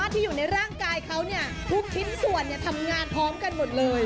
ที่อยู่ในร่างกายเขาทุกชิ้นส่วนทำงานพร้อมกันหมดเลย